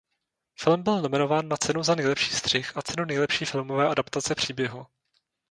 Film byl nominován na cenu za nejlepší střih a cenu nejlepší filmové adaptace příběhu.